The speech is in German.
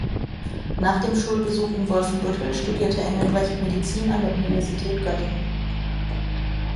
Nach dem Schulbesuch in Wolfenbüttel studierte Engelbrecht Medizin an der Universität Göttingen.